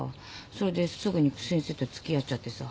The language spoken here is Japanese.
それですぐに先生と付き合っちゃってさ。